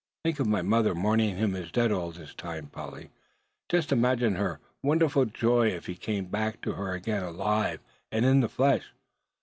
Think of my mother, mourning him as dead all this time, Polly. Just imagine her wonderful joy if he came back to her again alive and in the flesh!